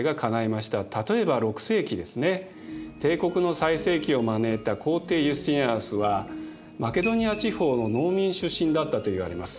例えば６世紀ですね帝国の最盛期を招いた皇帝ユスティニアヌスはマケドニア地方の農民出身だったといわれます。